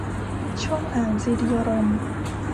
ช่องอ่านซีดีรอม